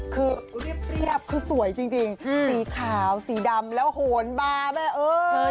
คือเรียบคือสวยจริงสีขาวสีดำแล้วโหนบาร์แม่เอ้ย